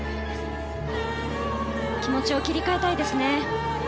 気持ちを切り替えたいですね。